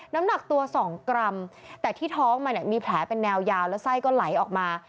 น้ำหนักตัวสองกรัมแต่ที่ท้องมันเนี่ยมีแผลเป็นแนวยาวแล้วไส้ก็ไหลออกมา